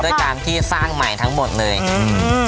การที่สร้างใหม่ทั้งหมดเลยอืม